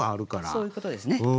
そういうことですね。